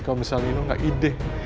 kalau misalnya ini mah tidak ide